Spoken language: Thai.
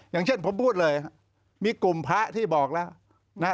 อย่างเช่นผมพูดเลยมีกลุ่มพระที่บอกแล้วนะฮะ